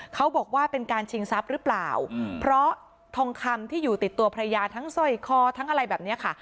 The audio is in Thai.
เขาบอกว่าเป็นการชิงทรัพย์หรือเปล่าเพราะทองคำที่อยู่ติดตัวภรรยาทั้งสร้อยคอทั้งอะไรแบบนี้ค่ะ